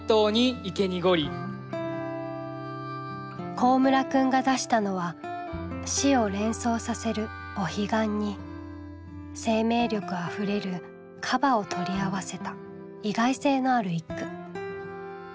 幸村くんが出したのは死を連想させる「お彼岸」に生命力あふれる「河馬」を取り合わせた意外性のある一句。